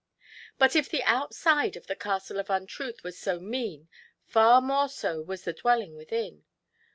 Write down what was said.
But if the outside of the Castle of Untruth was so mean, far more so was the dwelling within.